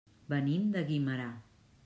Venim de Guimerà.